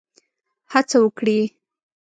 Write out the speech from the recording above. هڅه وکړي.